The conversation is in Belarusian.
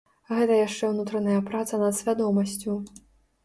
Гэта яшчэ ўнутраная праца над свядомасцю.